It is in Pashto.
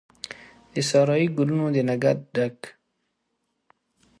د سارایي ګلونو د نګهت ډک،